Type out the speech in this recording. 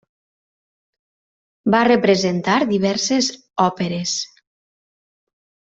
Va representar diverses òperes.